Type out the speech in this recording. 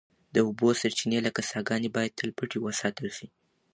د اوبو سرچینې لکه څاګانې باید تل پټې وساتل شي.